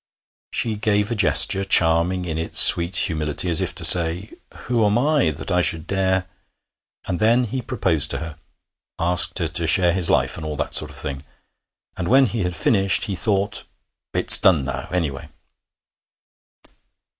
She gave a gesture, charming in its sweet humility, as if to say: 'Who am I that I should dare ' And then he proposed to her, asked her to share his life, and all that sort of thing; and when he had finished he thought, 'It's done now, anyway.'